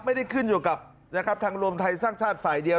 ไม่ได้ขึ้นอยู่กับนะครับทางรวมไทยสร้างชาติฝ่ายเดียว